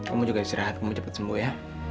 kamu juga istirahat kamu cepat sembuh ya